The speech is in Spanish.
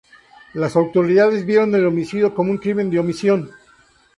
Las autoridades vieron el homicidio como un crimen de omisión.